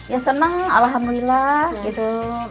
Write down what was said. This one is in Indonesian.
ya senang alhamdulillah gitu